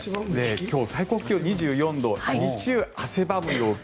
今日、最高気温２４度日中汗ばむ陽気。